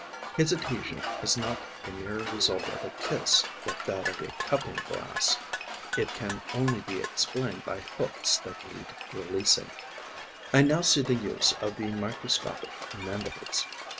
His adhesion is not the mere result of a kiss like that of a cupping glass; it can only be explained by hooks that need releasing. I now see the use of the microscopic mandibles.